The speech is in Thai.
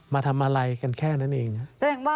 มาทำอะไรกันแค่นั้นเอง